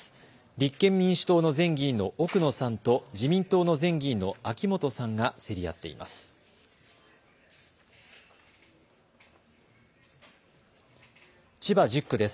立憲民主党の前議員の奥野さんと自民党の前議員の秋本さんが競り合っています。